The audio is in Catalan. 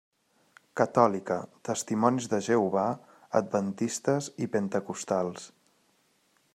Catòlica, Testimonis de Jehovà, Adventistes i Pentecostals.